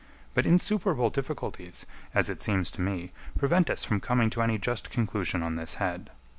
But insuperable difficulties, as it seems to me, prevent us from coming to any just conclusion on this head.